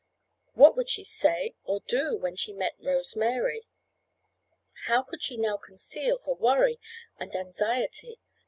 What would she say or do when she met Rose Mary? How could she now conceal her worry and anxiety?